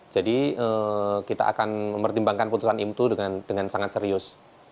jadi kita akan mempertimbangkan putusan imtu dengan sangat serius